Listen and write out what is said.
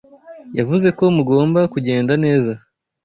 Yavuze ko mugomba kugenda neza.